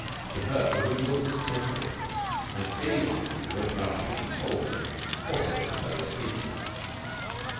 To her, Windles was sacred, and anyone who went about shooting holes in it forfeited her esteem.